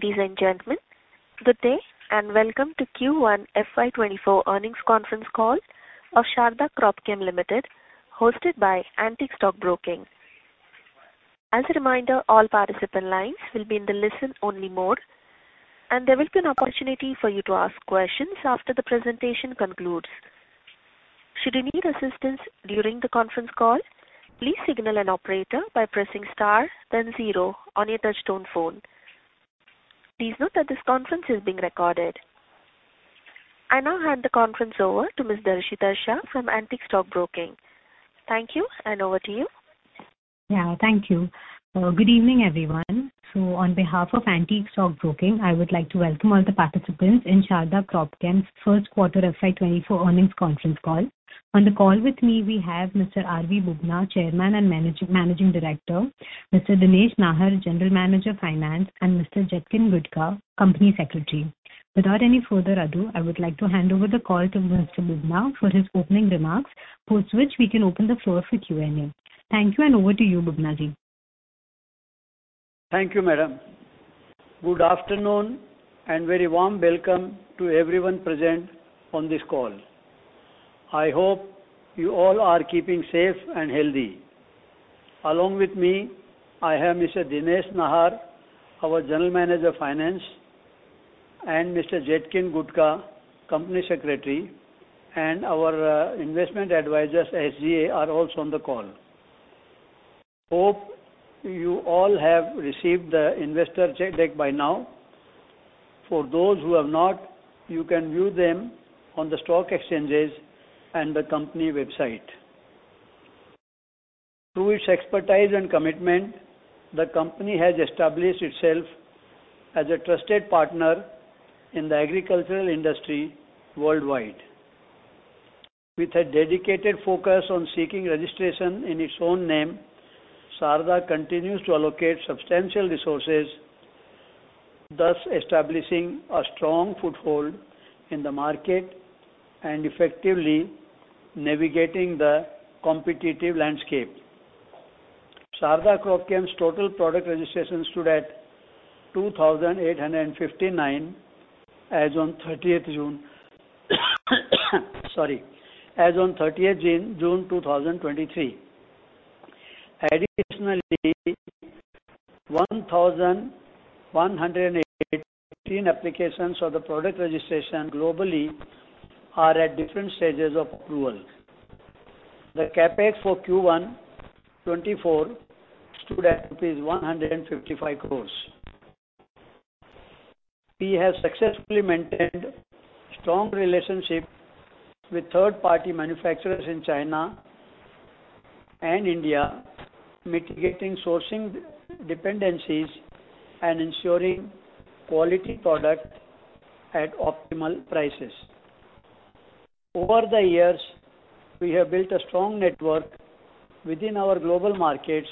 Ladies and gentlemen, good day, welcome to Q1 FY2024 earnings conference call of Sharda Cropchem Limited, hosted by Antique Stock Broking. As a reminder, all participant lines will be in the listen-only mode, and there will be an opportunity for you to ask questions after the presentation concludes. Should you need assistance during the conference call, please signal an operator by pressing star then zero on your touchtone phone. Please note that this conference is being recorded. I now hand the conference over to Ms. Darshita Shah from Antique Stock Broking. Thank you, over to you. Thank you. Good evening, everyone. On behalf of Antique Stock Broking, I would like to welcome all the participants in Sharda Cropchem's first quarter FY2024 earnings conference call. On the call with me, we have Mr. R.V. Bubna, Chairman and Managing Director; Mr. Dinesh Nahar, General Manager, Finance; and Mr. Jetkin Gudhka, Company Secretary. Without any further ado, I would like to hand over the call to Mr. Bubna for his opening remarks, post which we can open the floor for Q&A. Thank you, and over to you, Bubna Ji. Thank you, madam. Good afternoon, and very warm welcome to everyone present on this call. I hope you all are keeping safe and healthy. Along with me, I have Mr. Dinesh Nahar, our General Manager, Finance, and Mr. Jetkin Gudhka, Company Secretary, and our investment advisors, SGA, are also on the call. Hope you all have received the investor deck by now. For those who have not, you can view them on the stock exchanges and the company website. Through its expertise and commitment, the company has established itself as a trusted partner in the agricultural industry worldwide. With a dedicated focus on seeking registration in its own name, Sharda continues to allocate substantial resources, thus establishing a strong foothold in the market and effectively navigating the competitive landscape. Sharda Cropchem's total product registration stood at 2,859 as on 30th June, sorry, as on 30th June 2023. 1,118 applications for the product registration globally are at different stages of approval. The CapEx for Q1 2024 stood at INR 155 crores. We have successfully maintained strong relationship with third-party manufacturers in China and India, mitigating sourcing dependencies and ensuring quality product at optimal prices. Over the years, we have built a strong network within our global markets.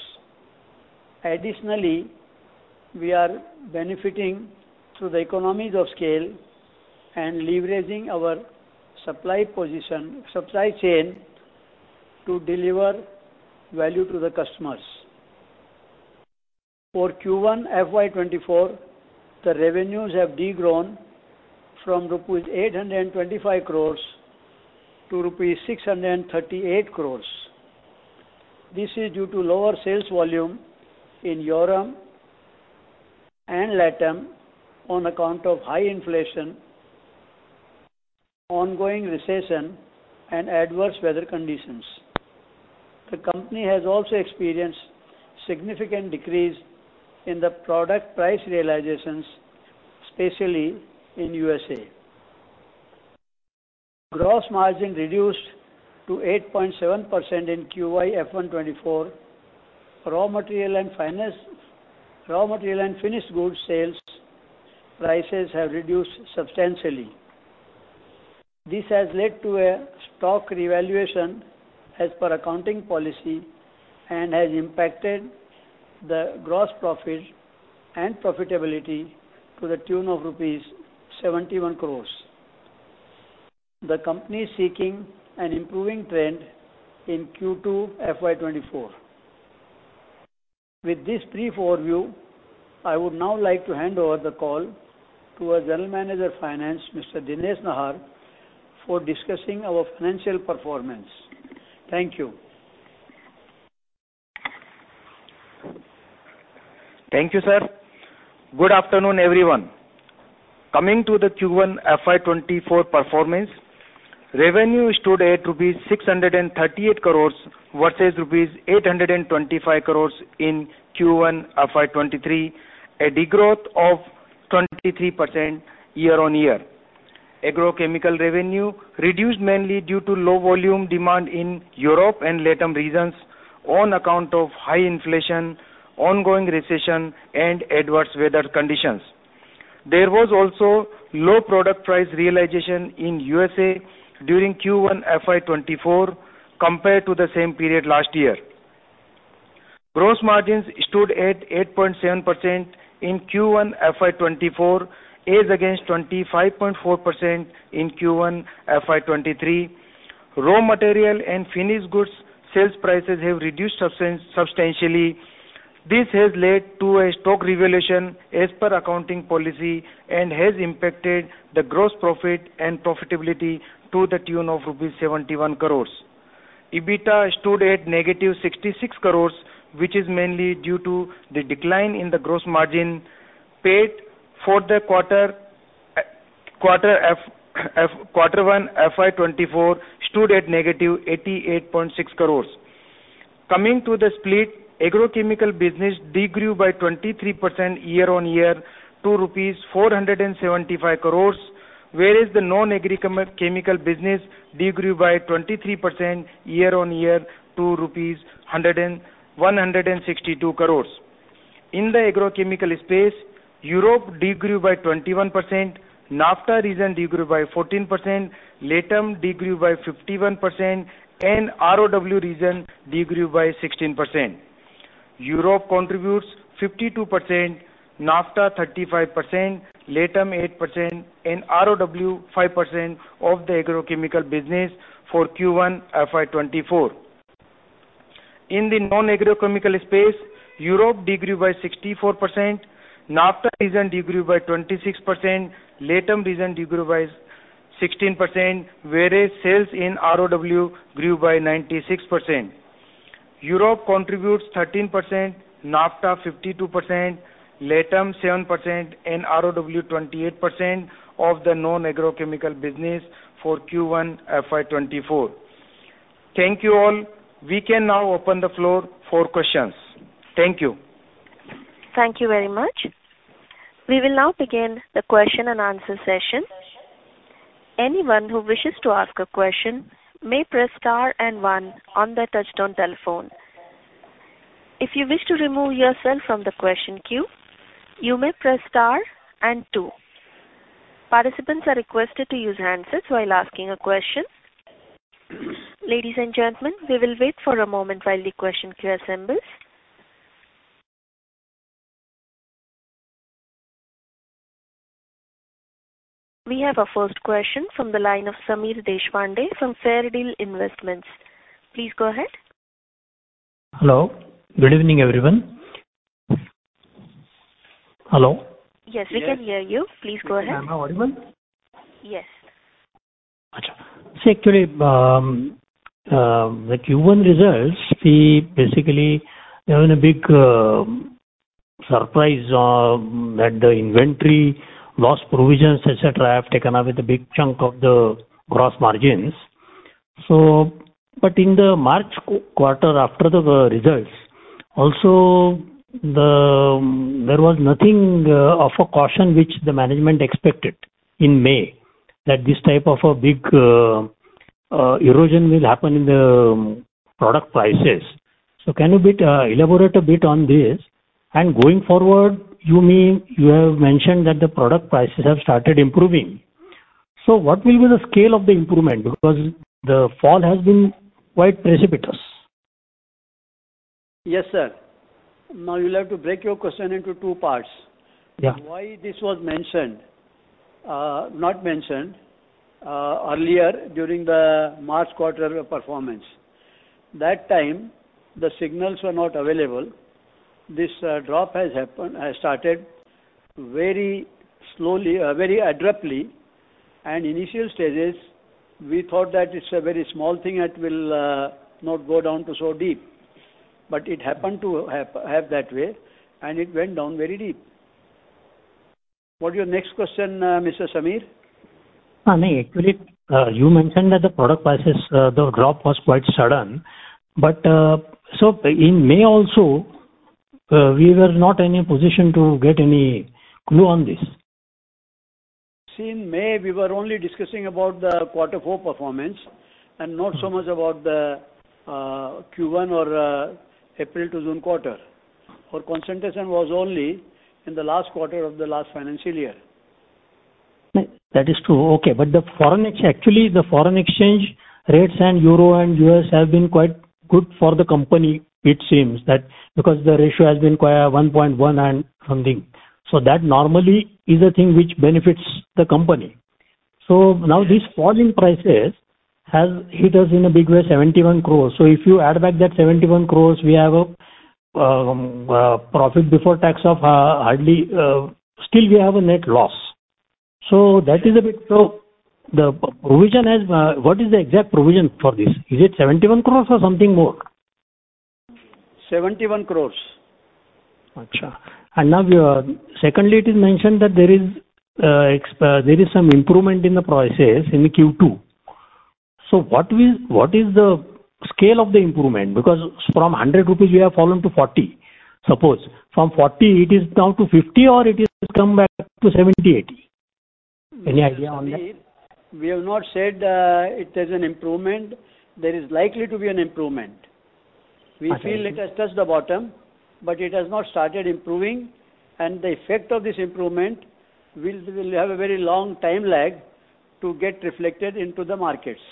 We are benefiting through the economies of scale and leveraging our supply chain to deliver value to the customers. For Q1 FY2024, the revenues have de-grown from rupees 825 crores to rupees 638 crores. This is due to lower sales volume in Europe and LATAM on account of high inflation, ongoing recession, and adverse weather conditions. The company has also experienced significant decrease in the product price realizations, especially in USA. Gross margin reduced to 8.7% in Q1 FY2024. Raw material and finished goods sales prices have reduced substantially. This has led to a stock revaluation as per accounting policy and has impacted the gross profit and profitability to the tune of rupees 71 crores. The company is seeking an improving trend in Q2 FY2024. With this brief overview, I would now like to hand over the call to our General Manager, Finance, Mr. Dinesh Nahar, for discussing our financial performance. Thank you. Thank you, sir. Good afternoon, everyone. Coming to the Q1 FY2024 performance, revenue stood at rupees 638 crores versus rupees 825 crores in Q1 FY2023, a degrowth of 23% year-on-year. Agrochemical revenue reduced mainly due to low volume demand in Europe and LATAM regions on account of high inflation, ongoing recession, and adverse weather conditions. There was also low product price realization in U.S.A during Q1 FY2024 compared to the same period last year. Gross margins stood at 8.7% in Q1 FY2024, as against 25.4% in Q1 FY2023. Raw material and finished goods sales prices have reduced substantially. This has led to a stock revaluation as per accounting policy, and has impacted the gross profit and profitability to the tune of rupees 71 crores. EBITDA stood at negative 66 crores, which is mainly due to the decline in the gross margin paid for the Q1 FY2024, stood at negative 88.6 crores. Coming to the split, agrochemical business degrew by 23% year-on-year to INR 475 crores, whereas the non-agricultural chemical business degrew by 23% year-on-year to 162 crores. In the agrochemical space, Europe degrew by 21%, NAFTA region degrew by 14%, LATAM degrew by 51%, and ROW region degrew by 16%. Europe contributes 52%, NAFTA 35%, LATAM 8%, and ROW 5% of the agrochemical business for Q1 FY2024. In the non-agrochemical space, Europe degrew by 64%, NAFTA region degrew by 26%, LATAM region degrew by 16%, whereas sales in ROW grew by 96%. Europe contributes 13%, NAFTA 52%, LATAM 7%, and ROW 28% of the non-agrochemical business for Q1 FY2024. Thank you all. We can now open the floor for questions. Thank you. Thank you very much. We will now begin the question and answer session. Anyone who wishes to ask a question may press star and one on their touchtone telephone. If you wish to remove yourself from the question queue, you may press star and two. Participants are requested to use handsets while asking a question. Ladies and gentlemen, we will wait for a moment while the question queue assembles. We have our first question from the line of Samir Deshpande from Fairdeal Investments. Please go ahead. Hello. Good evening, everyone. Hello? Yes, we can hear you. Please go ahead. Am I audible? Yes. Okay. See, actually, the Q1 results, we basically are in a big surprise that the inventory loss provisions, et cetera, have taken up with a big chunk of the gross margins. But in the March quarter, after the results, also there was nothing of a caution which the management expected in May, that this type of a big erosion will happen in the product prices. Can you elaborate a bit on this? Going forward, you mean, you have mentioned that the product prices have started improving. What will be the scale of the improvement? The fall has been quite precipitous. Yes, sir. You'll have to break your question into two parts. Yeah. Why this was mentioned, not mentioned, earlier during the March quarter performance? That time, the signals were not available. This drop has happened, has started very slowly, very abruptly, and initial stages, we thought that it's a very small thing, that will not go down to so deep. It happened to happen that way, and it went down very deep. What your next question, Mr. Samir? Actually, you mentioned that the product prices, the drop was quite sudden. In May also, we were not in a position to get any clue on this. In May, we were only discussing about the Q4 performance, and not so much about the Q1 or April to June quarter. Our concentration was only in the last quarter of the last financial year. That is true. Okay. The foreign exchange rates and Euro and U.S. have been quite good for the company, it seems, that because the ratio has been quite one point one and something. That normally is a thing which benefits the company. Now this fall in prices has hit us in a big way, 71 crores. If you add back that 71 crores, we have a profit before tax of hardly still we have a net loss. That is a bit. The provision has what is the exact provision for this? Is it 71 crores or something more? 71 crores. Achha. Now, secondly, it is mentioned that there is some improvement in the prices in Q2. What will, what is the scale of the improvement? From 100 rupees, we have fallen to 40. Suppose from 40, it is now to 50, or it is come back to 70, 80. Any idea on that? We have not said, it is an improvement. There is likely to be an improvement. We feel it has touched the bottom, but it has not started improving, and the effect of this improvement will have a very long time lag to get reflected into the markets.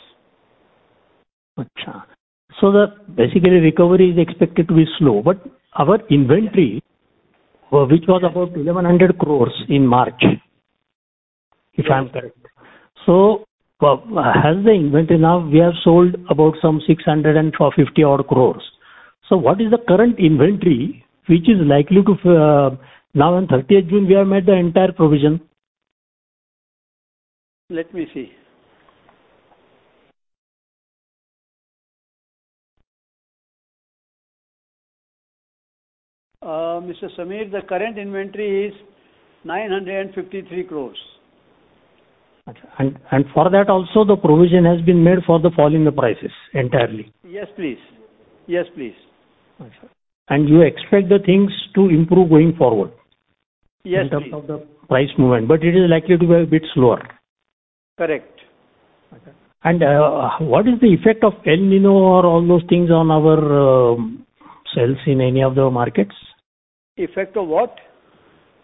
Basically, recovery is expected to be slow, but our inventory, which was about 1,100 crore in March, if I'm correct. As the inventory now, we have sold about some 600 and 450 odd crore. What is the current inventory, which is likely to, now on 30th June, we have made the entire provision? Let me see. Mr. Samir, the current inventory is 953 crore. For that also, the provision has been made for the fall in the prices entirely? Yes, please. Yes, please. You expect the things to improve going forward? Yes, please. In terms of the price movement, but it is likely to be a bit slower. Correct. What is the effect of El Niño or all those things on our sales in any of the markets? Effect of what?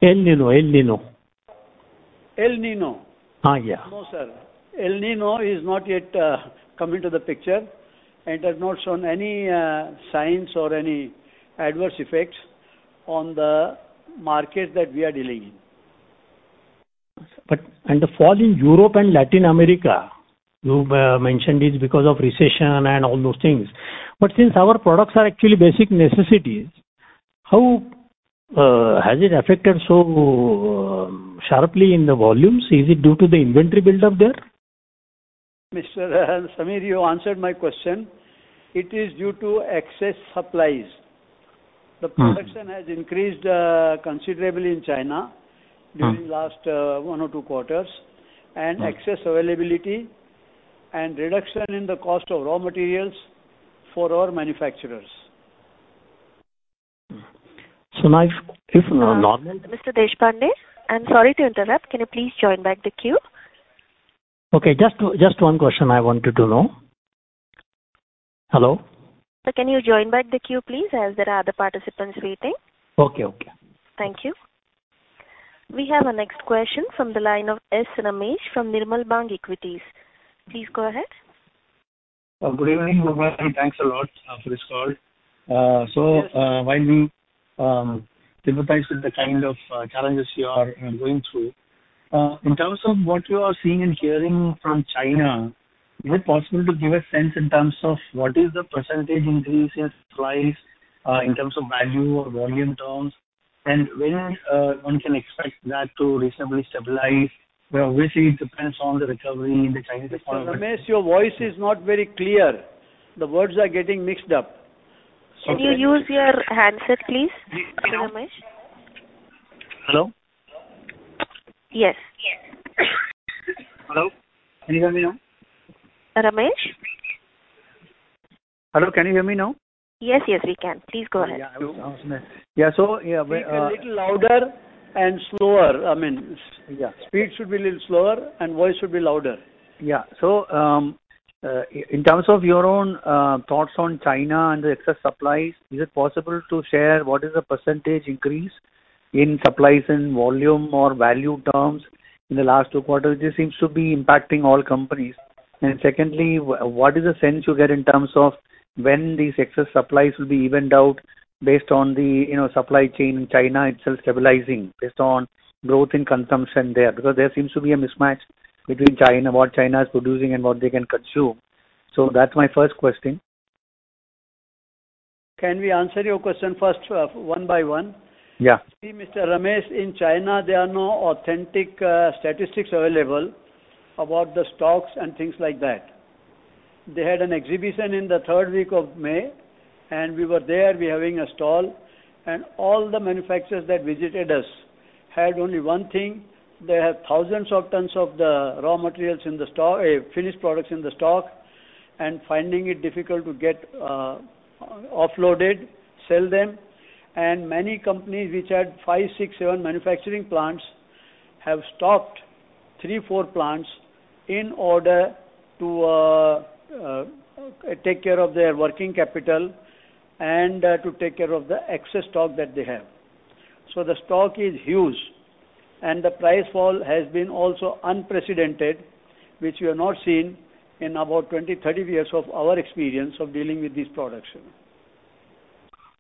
El Niño, El Niño. El Niño? Yeah. No, sir. El Niño is not yet come into the picture, and it has not shown any signs or any adverse effects on the markets that we are dealing in. The fall in Europe and Latin America, you mentioned is because of recession and all those things. Since our products are actually basic necessities, how has it affected so sharply in the volumes? Is it due to the inventory build up there? Mr. Samir, you answered my question. It is due to excess supplies. Mm. The production has increased considerably in China. Mm. during last one or two quarters, and excess availability and reduction in the cost of raw materials for our manufacturers. Now, if... Mr. Deshpande, I'm sorry to interrupt. Can you please join back the queue? Okay, just one question I wanted to know. Hello? Sir, can you join back the queue, please, as there are other participants waiting? Okay, okay. Thank you. We have our next question from the line of Ramesh Sankaranarayanan from Nirmal Bang Equities. Please go ahead. Good evening, thanks a lot for this call. While we sympathize with the kind of challenges you are going through in terms of what you are seeing and hearing from China, is it possible to give a sense in terms of what is the % increase in price in terms of value or volume terms? When one can expect that to reasonably stabilize, obviously, it depends on the recovery in the Chinese- Mr. Ramesh, your voice is not very clear. The words are getting mixed up. Can you use your handset, please, Mr. Ramesh? Hello? Yes. Hello, can you hear me now? Ramesh? Hello, can you hear me now? Yes, yes, we can. Please go ahead. Yeah, so, yeah, Speak a little louder and slower. Yeah. Speed should be a little slower and voice should be louder. Yeah. In terms of your own thoughts on China and the excess supplies, is it possible to share what is the percentage increase in supplies in volume or value terms in the last 2 quarters? This seems to be impacting all companies. Secondly, what is the sense you get in terms of when these excess supplies will be evened out based on the, you know, supply chain in China itself stabilizing, based on growth in consumption there? There seems to be a mismatch between China, what China is producing and what they can consume. That's my first question. Can we answer your question first, one by one? Yeah. See, Mr. Ramesh, in China, there are no authentic statistics available about the stocks and things like that. They had an exhibition in the third week of May, we were there, we're having a stall, all the manufacturers that visited us had only one thing: They have thousands of tons of the raw materials in the stock, finished products in the stock, finding it difficult to get offloaded, sell them. Many companies, which had five, six, seven manufacturing plants, have stopped three, four plants in order to take care of their working capital and to take care of the excess stock that they have. The stock is huge, the price fall has been also unprecedented, which we have not seen in about 20, 30 years of our experience of dealing with these products.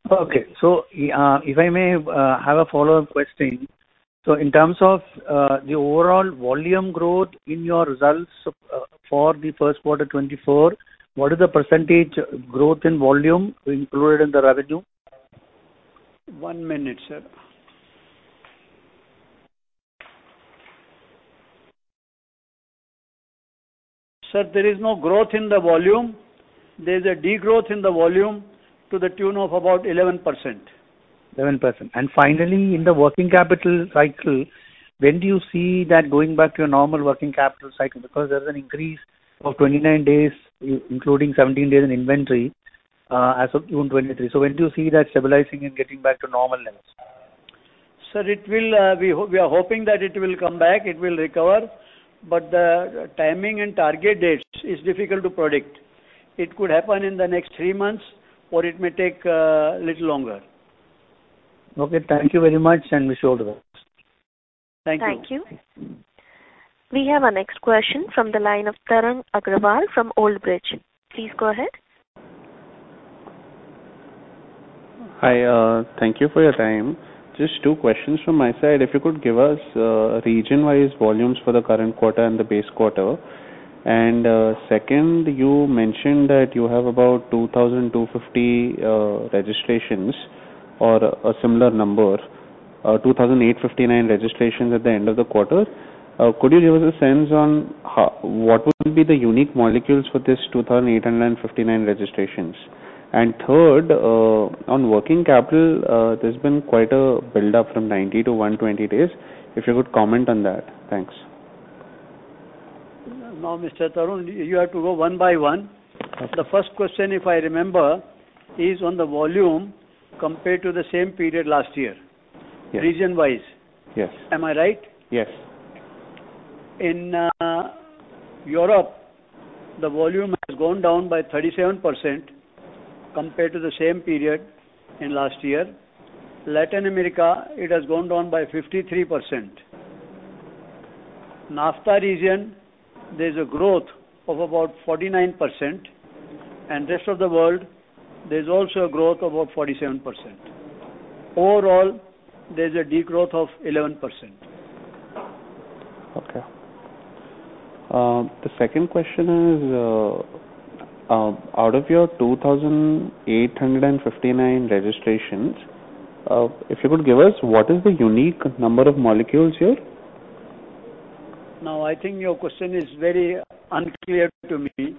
Okay. If I may, have a follow-up question. In terms of, the overall volume growth in your results, for the first quarter, 2024, what is the percentage growth in volume included in the revenue? One minute, sir. Sir, there is no growth in the volume. There's a degrowth in the volume to the tune of about 11%. 11%. Finally, in the working capital cycle, when do you see that going back to a normal working capital cycle? Because there's an increase of 29 days, including 17 days in inventory, as of June 2023. When do you see that stabilizing and getting back to normal levels? Sir, it will, we are hoping that it will come back, it will recover, the timing and target dates is difficult to predict. It could happen in the next three months, or it may take a little longer. Okay, thank you very much, wish you all the best. Thank you. Thank you. We have our next question from the line of Tarang Agrawal from Old Bridge Capital Management. Please go ahead. Hi, thank you for your time. Just two questions from my side. If you could give us region-wise volumes for the current quarter and the base quarter. Second, you mentioned that you have about 2,250 registrations or a similar number, 2,859 registrations at the end of the quarter. Could you give us a sense on how, what would be the unique molecules for this 2,859 registrations? Third, on working capital, there's been quite a buildup from 90-120 days, if you could comment on that. Thanks. Now, Mr. Tarang, you have to go one by one. Okay. The first question, if I remember, is on the volume compared to the same period last year. Yes. region-wise. Yes. Am I right? Yes. In Europe, the volume has gone down by 37% compared to the same period in last year. Latin America, it has gone down by 53%. NAFTA region, there's a growth of about 49%, and rest of the world, there's also a growth of about 47%. Overall, there's a degrowth of 11%. Okay. The second question is, out of your 2,859 registrations, if you could give us, what is the unique number of molecules here? I think your question is very unclear to me.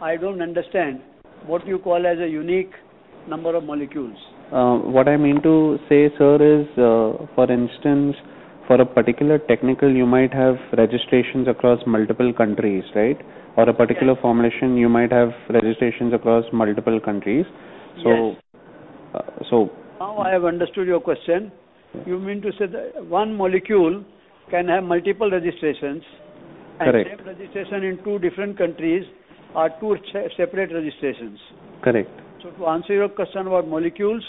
I don't understand what you call as a unique number of molecules. What I mean to say, sir, is, for instance, for a particular technical, you might have registrations across multiple countries, right? Or a particular formulation, you might have registrations across multiple countries. Yes. So, so- Now, I have understood your question. You mean to say that one molecule can have multiple registrations? Correct. Same registration in two different countries are two separate registrations. Correct. To answer your question about molecules,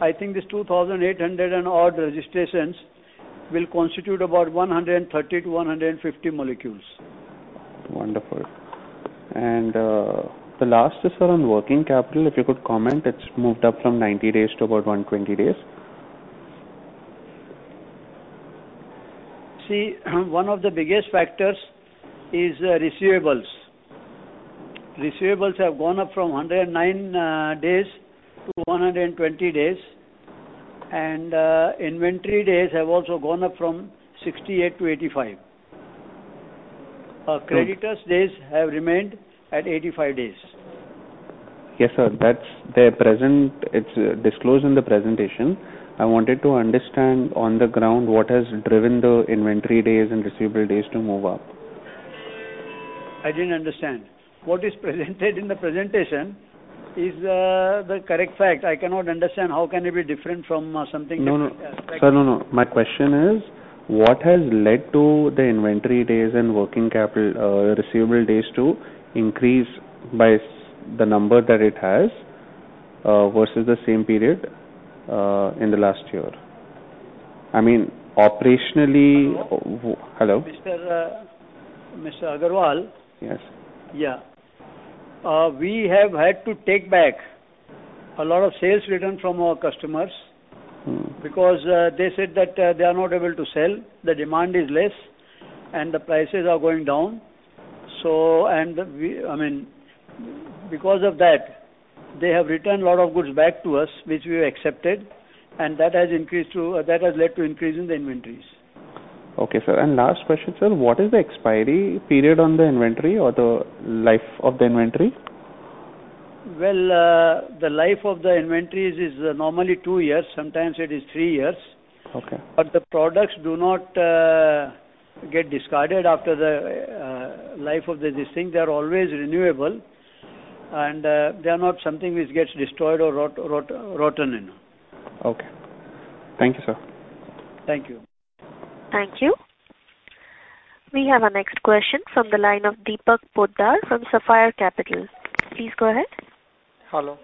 I think this 2,800 odd registrations will constitute about 130-150 molecules. Wonderful. The last is, sir, on working capital, if you could comment? It's moved up from 90 days to about 120 days. See, one of the biggest factors is, receivables. Receivables have gone up from 109-120 days, inventory days have also gone up from 68-85. Great. Creditors' days have remained at 85 days. Yes, sir. It's disclosed in the presentation. I wanted to understand on the ground, what has driven the inventory days and receivable days to move up? I didn't understand. What is presented in the presentation is the correct fact. I cannot understand how can it be different from something different. No. Sir, no. My question is, what has led to the inventory days and working capital, receivable days to increase by the number that it has, versus the same period in the last year? I mean, operationally... Hello? Mr., Mr. Agrawal? Yes. Yeah. We have had to take back a lot of sales return from our customers- Mm. They said that they are not able to sell, the demand is less, and the prices are going down. I mean, because of that, they have returned a lot of goods back to us, which we have accepted, and that has increased to that has led to increase in the inventories. Okay, sir. Last question, sir: What is the expiry period on the inventory or the life of the inventory? Well, the life of the inventories is normally two years, sometimes it is three years. Okay. The products do not get discarded after the life of the distinct. They are always renewable, and they are not something which gets destroyed or rotten, you know? Okay. Thank you, sir. Thank you. Thank you. We have our next question from the line of Deepak Poddar from Sapphire Capital. Please go ahead. Hello.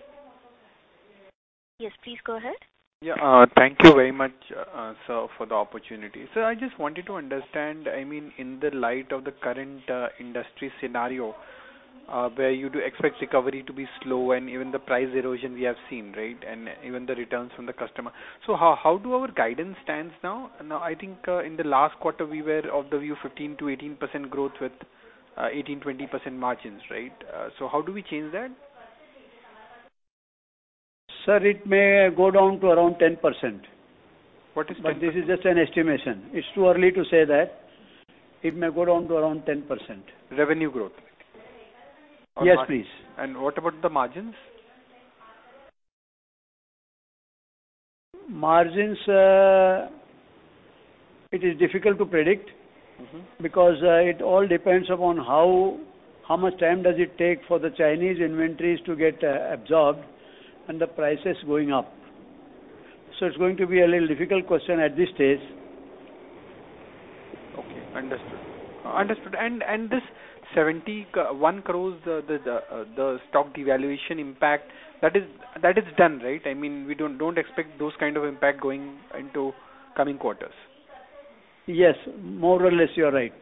Yes, please go ahead. Yeah, thank you very much, sir, for the opportunity. Sir, I just wanted to understand, I mean, in the light of the current industry scenario, where you do expect recovery to be slow and even the price erosion we have seen, right? Even the returns from the customer. How do our guidance stands now? I think, in the last quarter, we were of the view 15%-18% growth with 18%-20% margins, right? How do we change that? Sir, it may go down to around 10%. What is 10%? This is just an estimation. It's too early to say that. It may go down to around 10%. Revenue growth? Yes, please. What about the margins? Margins, it is difficult to predict. Mm-hmm. It all depends upon how much time does it take for the Chinese inventories to get absorbed and the prices going up. It's going to be a little difficult question at this stage. Understood. Understood. And this 71 crores, the stock devaluation impact, that is done, right? I mean, we don't expect those kind of impact going into coming quarters. Yes, more or less, you are right.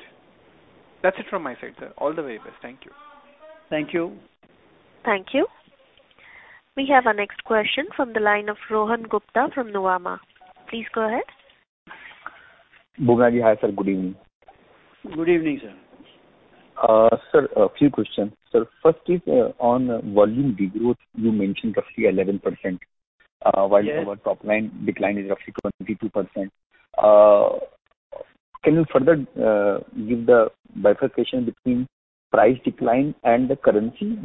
That's it from my side, sir. All the very best. Thank you. Thank you. Thank you. We have our next question from the line of Rohan Gupta from Nuvama. Please go ahead. Bubna ji, hi, sir, good evening. Good evening, sir. Sir, a few questions. Sir, first is, on volume degrowth, you mentioned roughly 11%. Yes. While our top line decline is roughly 22%. Can you further give the bifurcation between price decline and the currency?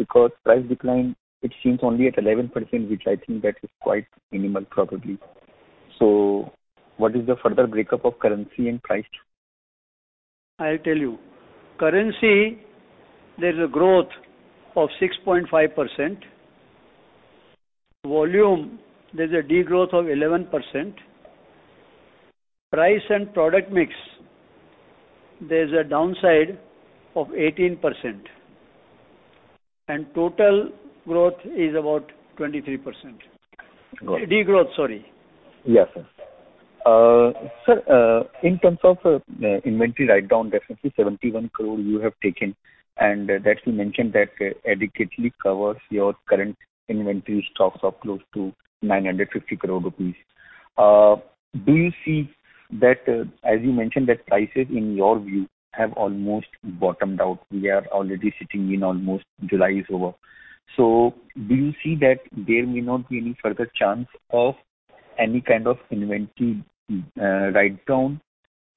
Price decline, it seems only at 11%, which I think that is quite minimal, probably. What is the further breakup of currency and price? I'll tell you. Currency, there's a growth of 6.5%. Volume, there's a degrowth of 11%. Price and product mix, there's a downside of 18%. Total growth is about 23%. Got it. Degrowth, sorry. Yes, sir. Sir, in terms of inventory write down, that's 71 crore you have taken, and that you mentioned that adequately covers your current inventory stocks of close to 950 crore rupees. Do you see that, as you mentioned, that prices, in your view, have almost bottomed out? We are already sitting in almost July is over. Do you see that there may not be any further chance of any kind of inventory write down?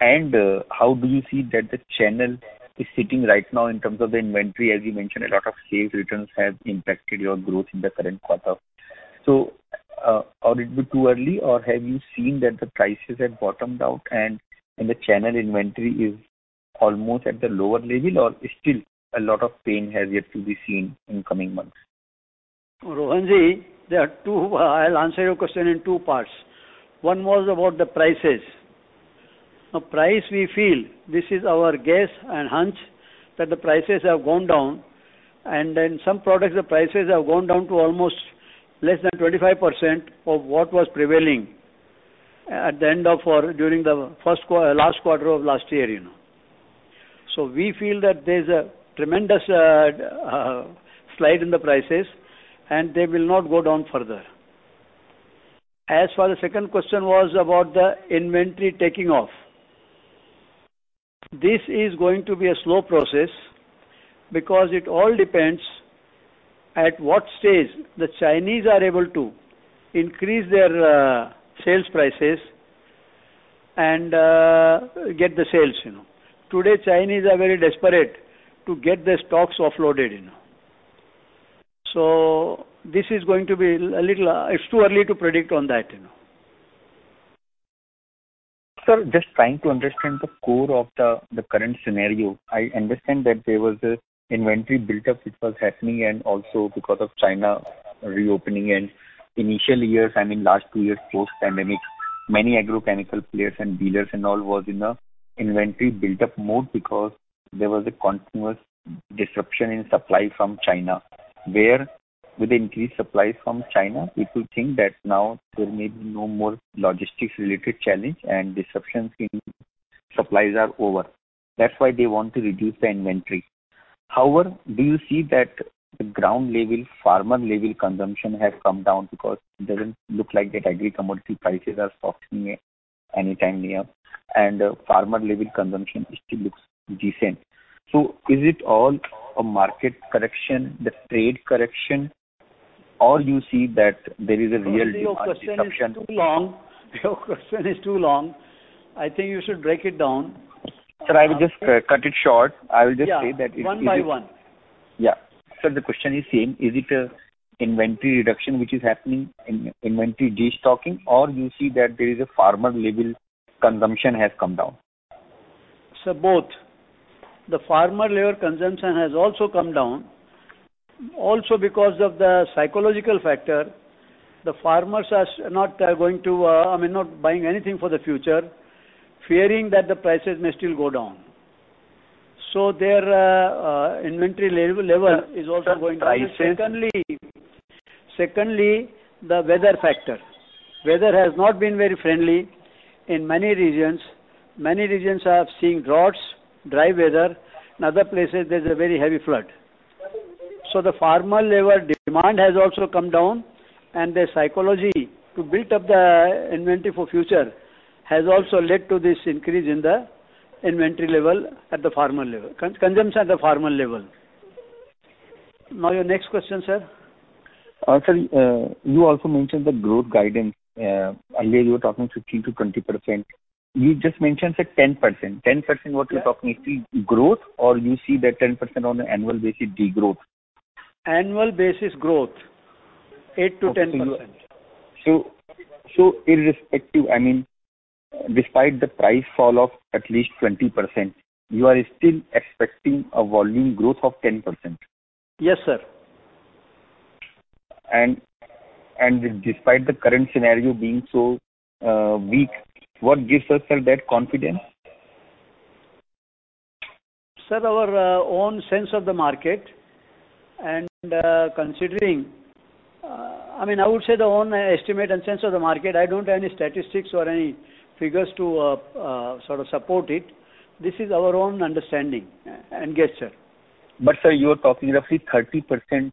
How do you see that the channel is sitting right now in terms of the inventory? As you mentioned, a lot of sales returns have impacted your growth in the current quarter. Or is it too early, or have you seen that the prices have bottomed out and the channel inventory is almost at the lower level, or still a lot of pain has yet to be seen in coming months? Rohanji, I'll answer your question in two parts. One was about the prices. Price, we feel this is our guess and hunch, that the prices have gone down, and in some products, the prices have gone down to almost less than 25% of what was prevailing at the end of our, during the last quarter of last year, you know. We feel that there's a tremendous slide in the prices, and they will not go down further. As for the second question was about the inventory taking off. This is going to be a slow process because it all depends at what stage the Chinese are able to increase their sales prices and get the sales, you know. Today, Chinese are very desperate to get their stocks offloaded, you know. This is going to be a little. It's too early to predict on that, you know. Sir, just trying to understand the core of the current scenario. I understand that there was an inventory buildup which was happening, and also because of China reopening and initial years, I mean, last two years, post-pandemic, many agrochemical players and dealers and all was in a inventory buildup mode because there was a continuous disruption in supply from China. Where with the increased supply from China, people think that now there may be no more logistics-related challenge and disruptions in supplies are over. That's why they want to reduce the inventory. However, do you see that the ground level, farmer level consumption, has come down? Because it doesn't look like the agri commodity prices are softening anytime near, and farmer level consumption still looks decent. Is it all a market correction, the trade correction, or you see that there is a real disruption? Your question is too long. I think you should break it down. Sir, I will just cut it short. I will just say that. Yeah. It is- One by one. Yeah. Sir, the question is same. Is it a inventory reduction which is happening in inventory destocking, or you see that there is a farmer level consumption has come down? Sir, both. The farmer level consumption has also come down, also because of the psychological factor. The farmers are not going to, I mean, not buying anything for the future, fearing that the prices may still go down. Their inventory level is also going down. Sir, Secondly, the weather factor. Weather has not been very friendly in many regions. Many regions are seeing droughts, dry weather. In other places, there's a very heavy flood. The farmer level demand has also come down, the psychology to build up the inventory for future has also led to this increase in the inventory level at the farmer level, consumption at the farmer level. Your next question, sir? Sir, you also mentioned the growth guidance. Earlier you were talking 15%-20%. You just mentioned, sir, 10%. 10%, what you're talking is the growth or you see that 10% on the annual basis degrowth? Annual basis growth, 8%-10%. Irrespective, I mean, despite the price fall of at least 20%, you are still expecting a volume growth of 10%? Yes, sir. Despite the current scenario being so weak, what gives us that confidence? Sir, our own sense of the market, and considering, I mean, I would say the own estimate and sense of the market, I don't have any statistics or any figures to sort of support it. This is our own understanding and guess, sir. Sir, you are talking roughly 30%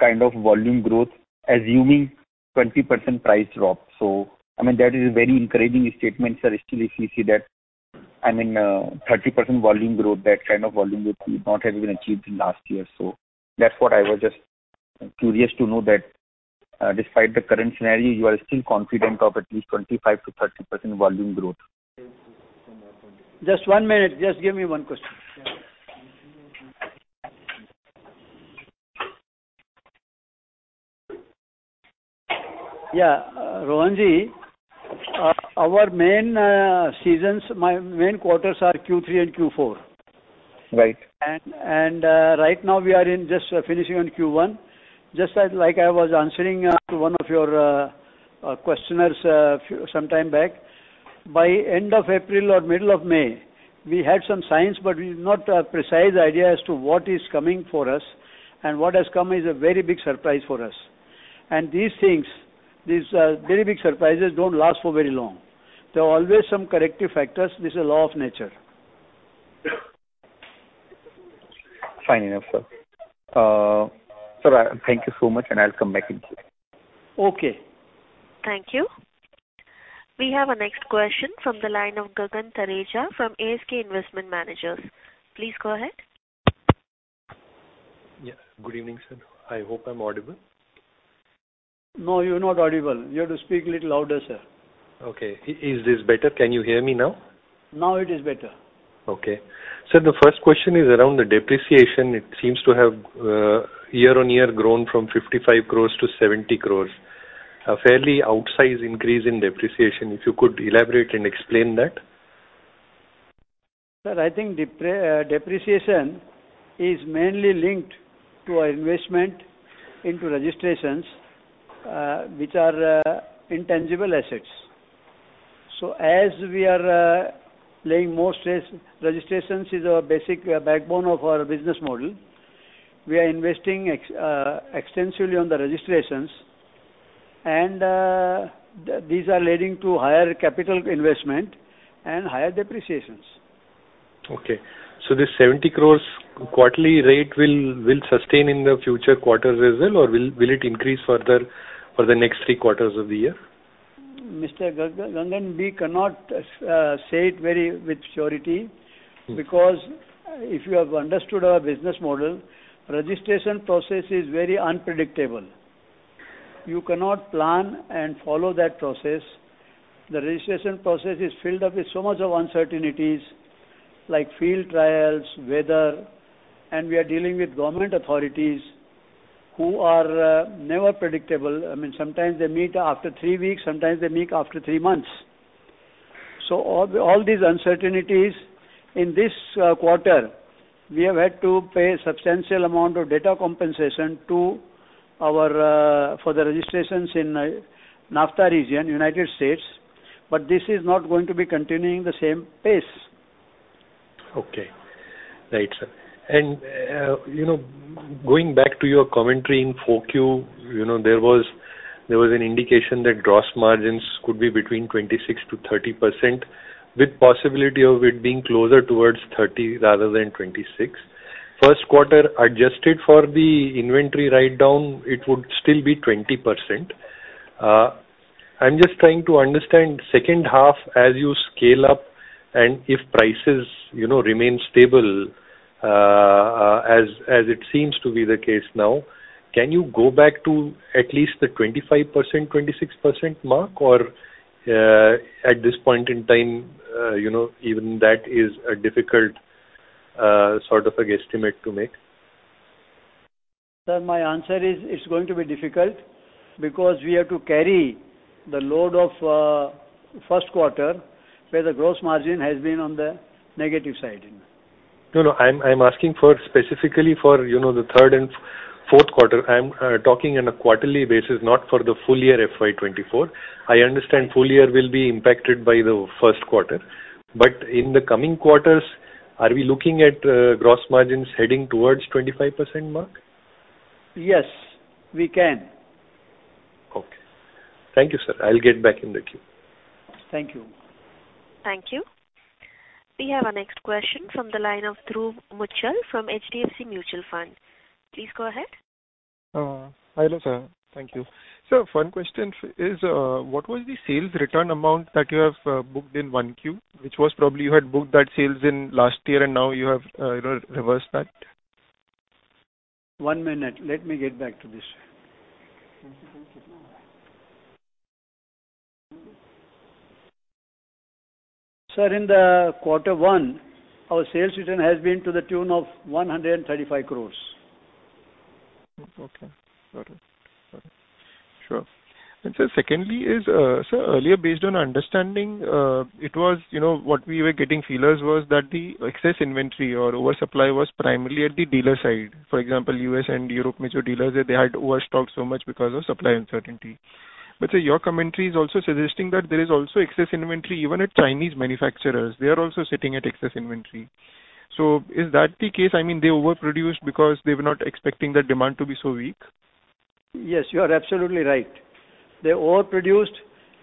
kind of volume growth, assuming 20% price drop. I mean, that is a very encouraging statement, sir. Especially if you see that, I mean, 30% volume growth, that kind of volume would not have been achieved in last year. That's what I was just curious to know that, despite the current scenario, you are still confident of at least 25%-30% volume growth. Just one minute. Just give me one question. Yeah, Rohan Ji, our main seasons, my main quarters are Q3 and Q4. Right. Right now we are in just finishing on Q1. Just as like I was answering to one of your questioners, some time back, by end of April or middle of May, we had some signs, but we not a precise idea as to what is coming for us, and what has come is a very big surprise for us. These things, these very big surprises don't last for very long. There are always some corrective factors. This is a law of nature. Fine enough, sir. Sir, thank you so much. I'll come back in queue. Okay. Thank you. We have our next question from the line of Gagan Tareja from ASK Investment Managers. Please go ahead. Yeah. Good evening, sir. I hope I'm audible. You're not audible. You have to speak a little louder, sir. Okay. Is this better? Can you hear me now? Now, it is better. Okay. Sir, the first question is around the depreciation. It seems to have year-on-year grown from 55 crores-70 crores, a fairly outsized increase in depreciation. If you could elaborate and explain that. Sir, I think depreciation is mainly linked to our investment into registrations, which are intangible assets. As we are laying more stress, registrations is our basic backbone of our business model. We are investing extensively on the registrations. These are leading to higher capital investment and higher depreciations. Okay. This 70 crore quarterly rate will sustain in the future quarters as well, or will it increase further for the next three quarters of the year? Mr. Gagan, we cannot, say it very with surety. Mm. If you have understood our business model, registration process is very unpredictable. You cannot plan and follow that process. The registration process is filled up with so much of uncertainties, like field trials, weather, and we are dealing with government authorities who are never predictable. I mean, sometimes they meet after three weeks, sometimes they meet after three months. All these uncertainties, in this quarter, we have had to pay a substantial amount of data compensation to our for the registrations in NAFTA region, United States. This is not going to be continuing the same pace. Okay. Right, sir. You know, going back to your commentary in 4Q, you know, there was an indication that gross margins could be between 26%-30%, with possibility of it being closer towards 30 rather than 26. First quarter, adjusted for the inventory write down, it would still be 20%. I'm just trying to understand second half as you scale up and if prices, you know, remain stable, as it seems to be the case now, can you go back to at least the 25%, 26% mark, or, at this point in time, you know, even that is a difficult sort of a guesstimate to make? Sir, my answer is, it's going to be difficult because we have to carry the load of, first quarter, where the gross margin has been on the negative side. No, no, I'm asking for specifically for, you know, the third and fourth quarter. I'm talking on a quarterly basis, not for the full year FY2024. I understand full year will be impacted by the first quarter, but in the coming quarters, are we looking at gross margins heading towards 25% mark? Yes, we can. Okay. Thank you, sir. I'll get back in the queue. Thank you. Thank you. We have our next question from the line of Dhruv Muchhal from HDFC Mutual Fund. Please go ahead. Hello, sir. Thank you. Sir, one question is, what was the sales return amount that you have booked in 1Q, which was probably you had booked that sales in last year and now you have, you know, reversed that? One minute, let me get back to this. Sir, in the quarter one, our sales return has been to the tune of 135 crores. Okay. Got it. Sure. Secondly is, so earlier, based on understanding, it was, you know, what we were getting feelers was that the excess inventory or oversupply was primarily at the dealer side. For example, US and Europe, major dealers, they had overstock so much because of supply uncertainty. Sir, your commentary is also suggesting that there is also excess inventory even at Chinese manufacturers. They are also sitting at excess inventory. Is that the case? I mean, they overproduced because they were not expecting the demand to be so weak? Yes, you are absolutely right. They overproduced,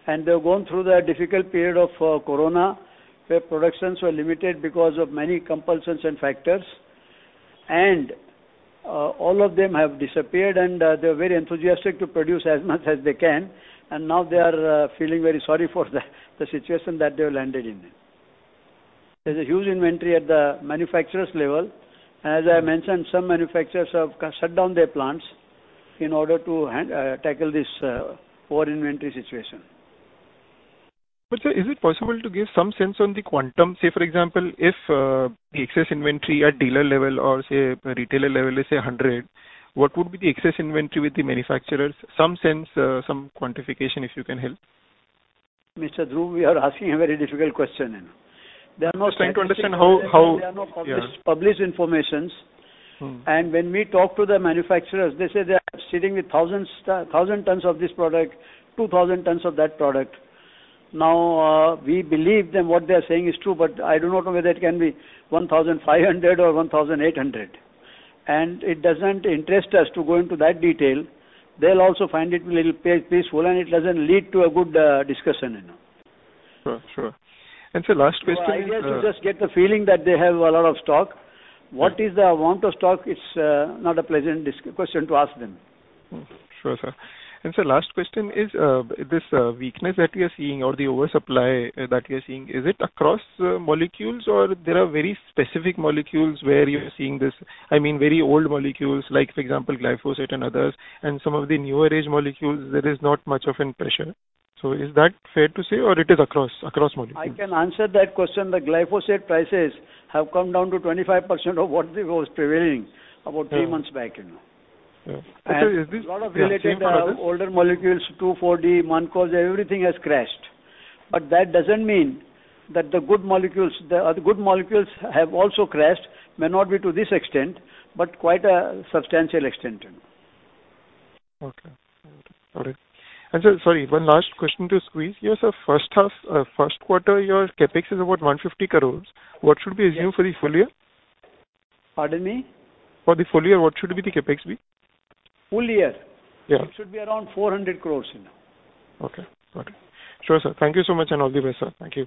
and they've gone through the difficult period of corona, where productions were limited because of many compulsions and factors, and all of them have disappeared, and they're very enthusiastic to produce as much as they can, and now they are feeling very sorry for the situation that they have landed in. There's a huge inventory at the manufacturer's level. As I mentioned, some manufacturers have shut down their plants in order to tackle this poor inventory situation. Sir, is it possible to give some sense on the quantum? Say, for example, if the excess inventory at dealer level or, say, retailer level is, say, 100, what would be the excess inventory with the manufacturers? Some sense, some quantification, if you can help. Mr. Dhruv, you are asking a very difficult question, you know. Just trying to understand how. They are not published information. Mm-hmm. When we talk to the manufacturers, they say they are sitting with 1,000 tons of this product, 2,000 tons of that product. We believe them, what they are saying is true, but I do not know whether it can be 1,500 or 1,800, and it doesn't interest us to go into that detail. They'll also find it little peaceful, and it doesn't lead to a good discussion, you know. Sure, sure. sir, last question. I guess you just get the feeling that they have a lot of stock. Yeah. What is the amount of stock, it's not a pleasant question to ask them. Sure, sir. Sir, last question is, this weakness that we are seeing or the oversupply that we are seeing, is it across molecules, or there are very specific molecules where you're seeing this? I mean, very old molecules like, for example, glyphosate and others, and some of the newer age molecules, there is not much of an pressure. Is that fair to say, or it is across molecules? I can answer that question. The glyphosate prices have come down to 25% of what it was prevailing. Yeah. about three months back, you know? Yeah. Sir, is this- A lot of related, older molecules, two, four-D, Mancozeb, everything has crashed. That doesn't mean that the good molecules have also crashed, may not be to this extent, but quite a substantial extent, you know. Okay. All right. Sir, sorry, one last question to squeeze. Your sir first half, first quarter, your CapEx is about 150 crores. What should we assume for the full year? Pardon me? For the full year, what should be the CapEx? Full year? Yeah. It should be around 400 crores, you know. Okay. Got it. Sure, sir. Thank you so much, and all the best, sir. Thank you.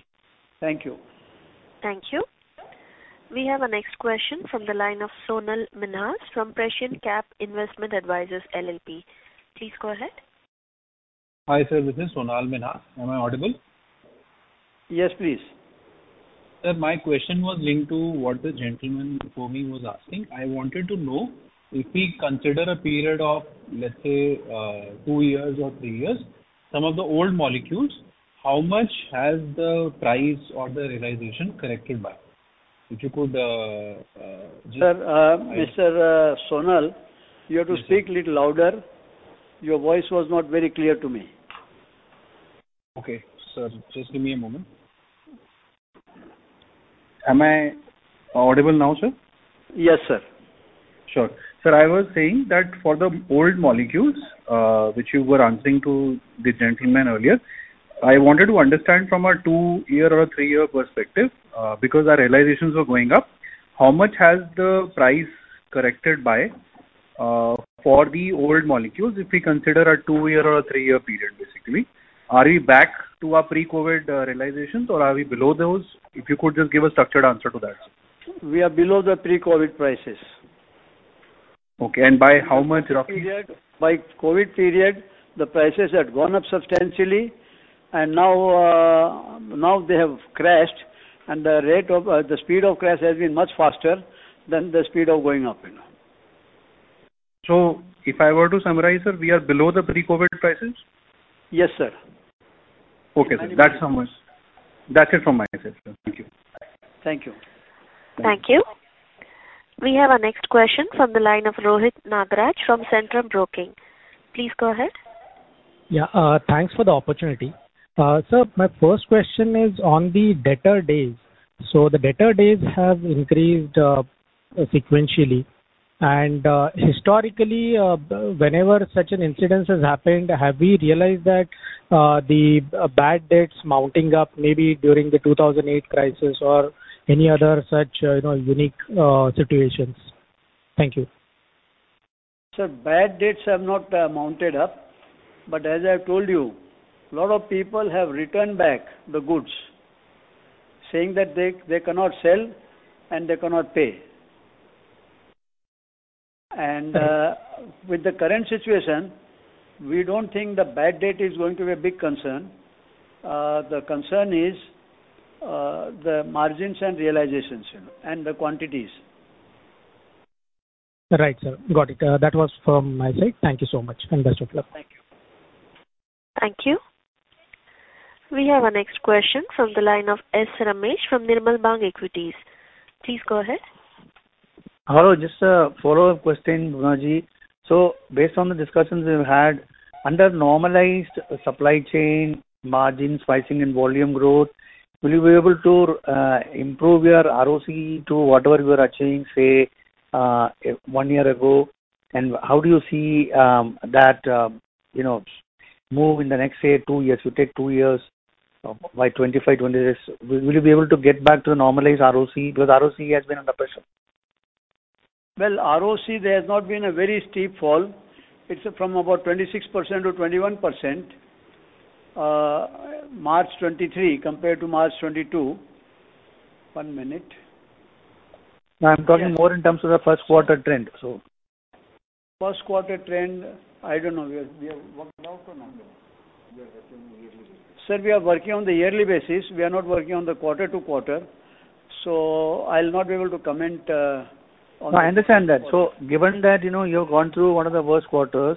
Thank you. Thank you. We have our next question from the line of Sonal Minhas from Prescientcap Investment Advisors LLP. Please go ahead. Hi, sir, this is Sonal Minhas. Am I audible? Yes, please. Sir, my question was linked to what the gentleman before me was asking. I wanted to know if we consider a period of, let's say, two years or three years, some of the old molecules, how much has the price or the realization corrected back? If you could... Sir, Mr. Sonal, you have to speak little louder. Your voice was not very clear to me. Okay, sir, just give me a moment. Am I audible now, sir? Yes, sir. Sure. Sir, I was saying that for the old molecules, which you were answering to the gentleman earlier, I wanted to understand from a two-year or a three-year perspective, because our realizations were going up, how much has the price corrected by, for the old molecules, if we consider a two-year or a three-year period, basically? Are we back to our pre-COVID realizations, or are we below those? If you could just give a structured answer to that. We are below the pre-COVID prices. Okay, by how much roughly? Period, by COVID period, the prices had gone up substantially, and now they have crashed, and the rate of, the speed of crash has been much faster than the speed of going up, you know. If I were to summarize, sir, we are below the pre-COVID prices? Yes, sir. Okay, sir. That's how much. That's it from my side, sir. Thank you. Thank you. Thank you. We have our next question from the line of Rohit Nagraj from Centrum Broking. Please go ahead. Yeah, thanks for the opportunity. sir, my first question is on the debtor days. The debtor days have increased, sequentially. Historically, whenever such an incidence has happened, have we realized that the bad debts mounting up, maybe during the 2008 crisis or any other such, you know, unique, situations? Thank you. Sir, bad debts have not mounted up, but as I told you, a lot of people have returned back the goods, saying that they cannot sell and they cannot pay. Yeah. With the current situation, we don't think the bad debt is going to be a big concern. The concern is the margins and realizations, you know, and the quantities. Right, sir. Got it. That was from my side. Thank you so much, and best of luck. Thank you. Thank you. We have our next question from the line of S. Ramesh from Nirmal Bang Equities. Please go ahead. Hello, just a follow-up question, Bubna. Based on the discussions we've had, under normalized supply chain, margins, pricing and volume growth, will you be able to improve your ROC to whatever you were achieving one year ago? How do you see that, you know, move in the next two years, you take two years, by 2025, 2026, will you be able to get back to the normalized ROC? Because ROC has been under pressure. Well, ROC, there has not been a very steep fall. It's from about 26%-21%, March 2023, compared to March 2022. one minute. I'm talking more in terms of the first quarter trend. First quarter trend, I don't know. We have worked out or not? We are working on yearly basis. Sir, we are working on the yearly basis. We are not working on the quarter to quarter, so I'll not be able to comment. No, I understand that. Given that, you know, you have gone through one of the worst quarters,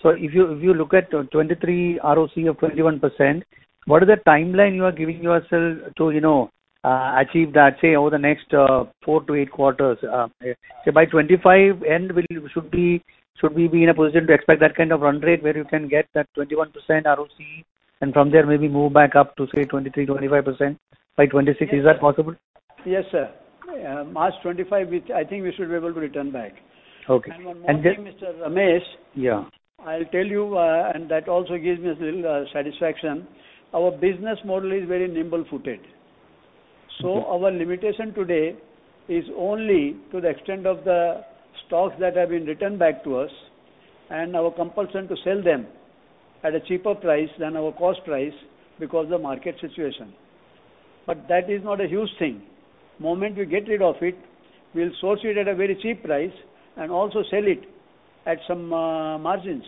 so if you, if you look at 2023 ROC of 21%, what is the timeline you are giving yourself to, you know, achieve that, say, over the next four-eight quarters? Say, by 2025 end, should we be in a position to expect that kind of run rate where you can get that 21% ROC, and from there, maybe move back up to, say, 23%-25% by 2026? Is that possible? Yes, sir. March 25, which I think we should be able to return back. Okay. One more thing, Mr. Ramesh. Yeah. I'll tell you, that also gives me a little satisfaction. Our business model is very nimble-footed. Okay. Our limitation today is only to the extent of the stocks that have been returned back to us and our compulsion to sell them at a cheaper price than our cost price because of the market situation. That is not a huge thing. Moment we get rid of it, we'll source it at a very cheap price and also sell it at some margins.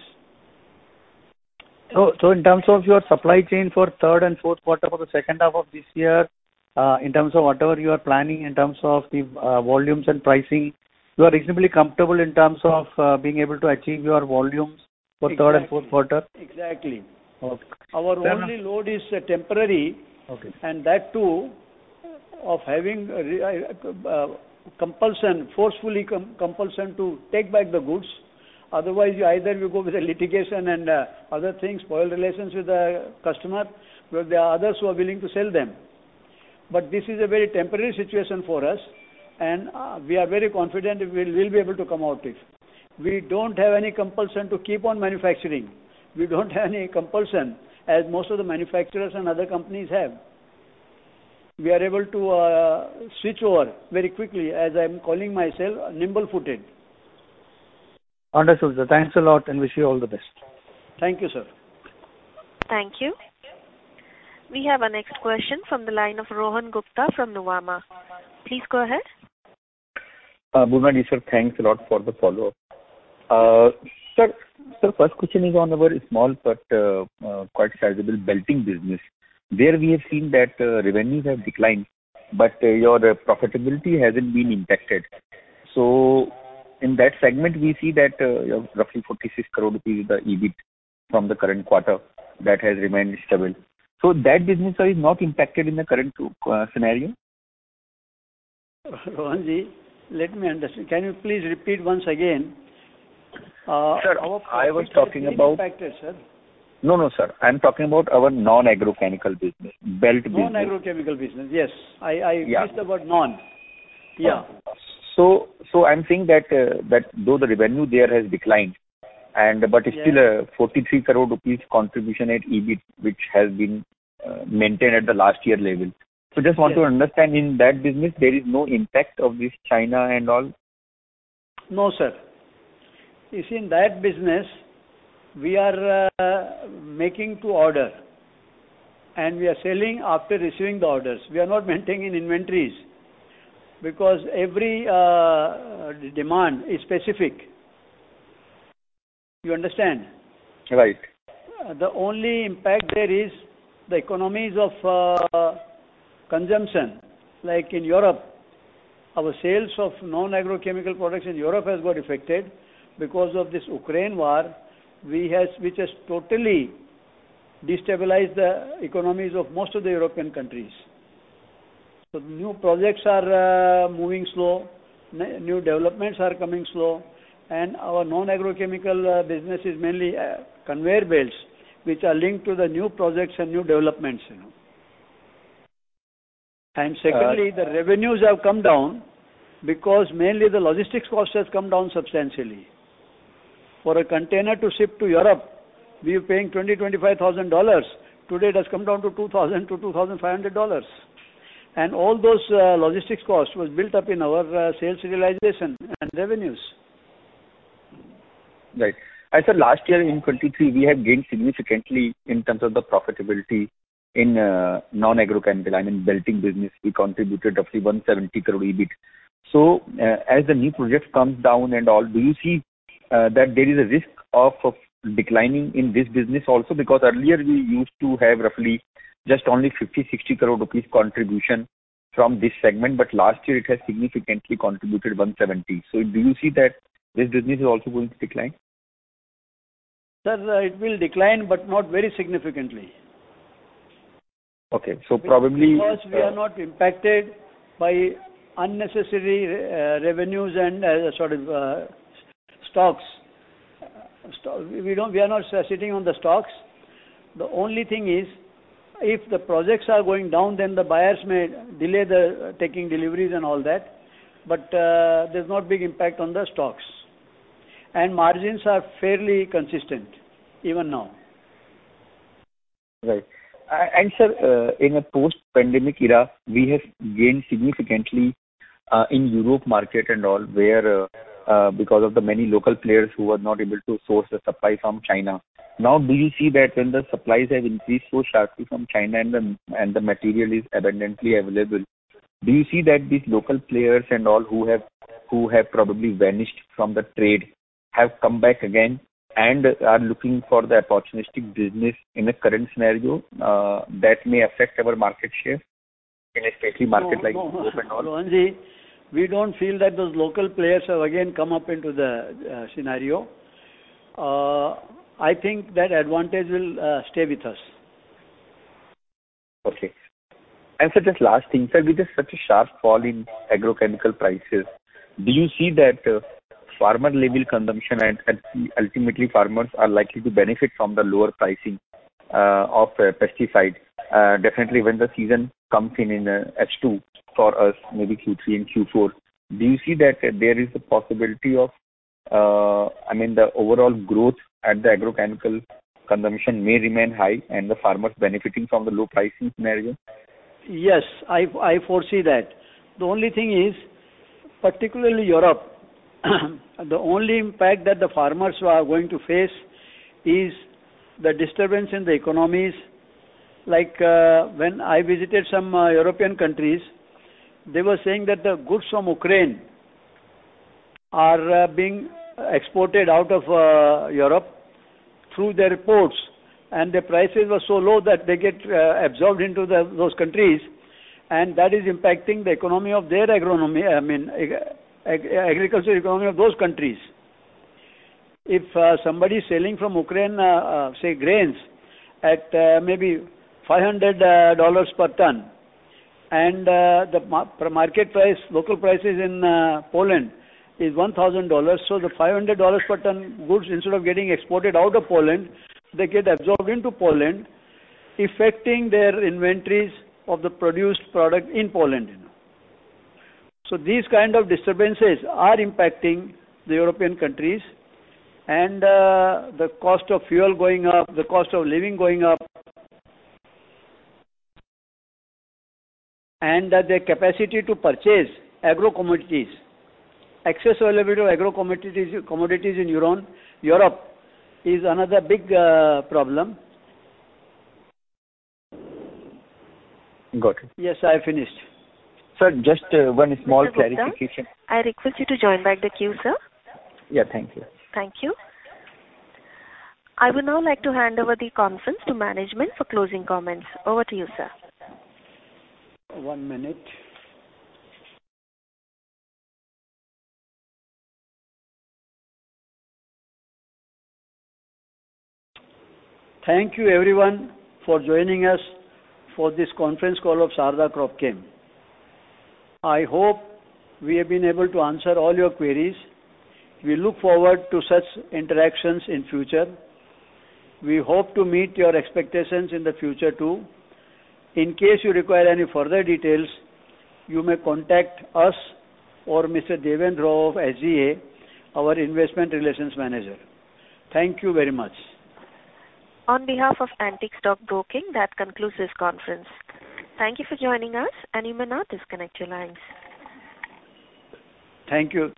In terms of your supply chain for third and fourth quarter, for the second half of this year, in terms of whatever you are planning, in terms of the volumes and pricing, you are reasonably comfortable in terms of being able to achieve your volumes for third and fourth quarter? Exactly. Okay. Our only load is temporary. Okay. That, too, of having compulsion, forcefully compulsion to take back the goods. Otherwise, you either go with the litigation and other things, spoil relations with the customer, where there are others who are willing to sell them. This is a very temporary situation for us, and we are very confident we will be able to come out it. We don't have any compulsion to keep on manufacturing. We don't have any compulsion, as most of the manufacturers and other companies have. We are able to switch over very quickly, as I'm calling myself, nimble-footed. Understood, sir. Thanks a lot, and wish you all the best. Thank you, sir. Thank you. We have our next question from the line of Rohan Gupta from Nuvama. Please go ahead. Bubna, sir, thanks a lot for the follow-up. Sir, first question is on our small but quite sizable belting business. There, we have seen that revenues have declined, but your profitability hasn't been impacted. In that segment, we see that roughly 46 crore rupees, the EBIT from the current quarter, has remained stable. That business is not impacted in the current scenario? Rohanji, let me understand. Can you please repeat once again? Sir, I was talking. impacted, sir. No, no, sir. I'm talking about our non-agrochemical business, belt business. Non-agrochemical business, yes. Yeah. I missed the word non. Yeah. I'm saying that though the revenue there has declined. Yeah. It's still a 43 crore rupees contribution at EBIT, which has been maintained at the last year level. Yes. Just want to understand, in that business, there is no impact of this China and all? No, sir. You see, in that business, we are making to order, and we are selling after receiving the orders. We are not maintaining inventories, because every demand is specific. You understand? Right. The only impact there is the economies of consumption. Like in Europe, our sales of non-agrochemical products in Europe has got affected because of this Ukraine war. Which has totally destabilized the economies of most of the European countries. New projects are moving slow, new developments are coming slow, and our non-agrochemical business is mainly conveyor belts, which are linked to the new projects and new developments, you know. Secondly, the revenues have come down because mainly the logistics cost has come down substantially. For a container to ship to Europe, we are paying $20,000-$25,000. Today, it has come down to $2,000-$2,500. All those logistics costs was built up in our sales realization and revenues. Right. I said last year in 2023, we had gained significantly in terms of the profitability in non-agrochemical. I mean, belting business, we contributed roughly 170 crore EBIT. As the new project comes down and all, do you see that there is a risk of declining in this business also? Because earlier, we used to have roughly just only 50-60 crore rupees contribution from this segment, but last year it has significantly contributed 170 crore. Do you see that this business is also going to decline? Sir, it will decline, but not very significantly. Okay. Because we are not impacted by unnecessary revenues and sort of stocks. Stock, we are not sitting on the stocks. The only thing is, if the projects are going down, then the buyers may delay the taking deliveries and all that, but there's not big impact on the stocks. Margins are fairly consistent even now. Right. Sir, in a post-pandemic era, we have gained significantly in Europe market and all, where, because of the many local players who were not able to source the supply from China. Now, do you see that when the supplies have increased so sharply from China and the material is abundantly available, do you see that these local players and all who have probably vanished from the trade, have come back again and are looking for the opportunistic business in the current scenario, that may affect our market share in a steady market like Europe and all? No, Rohanji. We don't feel that those local players have again come up into the scenario. I think that advantage will stay with us. Okay. Sir, just last thing, sir, with the such a sharp fall in agrochemical prices, do you see that farmer level consumption and ultimately, farmers are likely to benefit from the lower pricing of pesticides? Definitely when the season comes in H2 for us, maybe Q3 and Q4, do you see that there is a possibility of, I mean, the overall growth at the agrochemical consumption may remain high and the farmers benefiting from the low pricing scenario? Yes, I foresee that. The only thing is, particularly Europe, the only impact that the farmers are going to face is the disturbance in the economies. Like, when I visited some European countries, they were saying that the goods from Ukraine are being exported out of Europe through their ports, and the prices were so low that they get absorbed into those countries, and that is impacting the economy of their agronomy, I mean, agriculture economy of those countries. If somebody is selling from Ukraine, say, grains, at maybe $500 per ton, and the market price, local prices in Poland is $1,000. The $500 per ton goods, instead of getting exported out of Poland, they get absorbed into Poland, affecting their inventories of the produced product in Poland. These kind of disturbances are impacting the European countries and the cost of fuel going up, the cost of living going up, and that their capacity to purchase agro commodities, excess availability of agro commodities in Europe, is another big problem. Got it. Yes, I finished. Sir, just, one small clarification. I request you to join back the queue, sir. Yeah. Thank you. Thank you. I would now like to hand over the conference to management for closing comments. Over to you, sir. One minute. Thank you everyone for joining us for this conference call of Sharda Cropchem. I hope we have been able to answer all your queries. We look forward to such interactions in future. We hope to meet your expectations in the future, too. In case you require any further details, you may contact us or Mr. Devendra of SGA, our investment relations manager. Thank you very much. On behalf of Antique Stock Broking, that concludes this conference. Thank you for joining us. You may now disconnect your lines. Thank you.